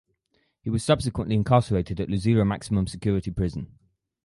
He was subsequently incarcerated at Luzira Maximum Security Prison.